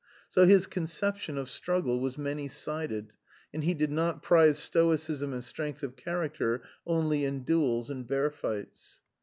So his conception of struggle was many sided, and he did not prize stoicism and strength of character only in duels and bear fights.